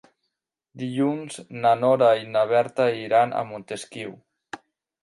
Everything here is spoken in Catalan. Dilluns na Nora i na Berta iran a Montesquiu.